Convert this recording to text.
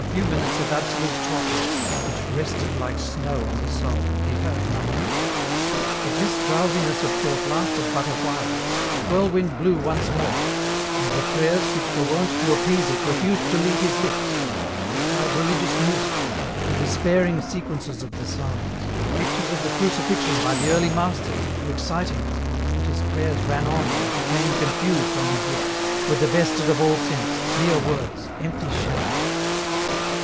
125 few minutes of absolute torpor, which rested like snow on the soul and he heard nothing. But this drowsiness of thought lasted but a while, the whirlwind blew once more, and the prayers which were wont to appease it refused to leave his lips, he tried religious music, the despairing sequences of the psalms, pictures of the Crucifixion by the Early Masters, to excite him, but his prayers ran on and became confused on his lips, were divested of all sense, mere words, empty shells.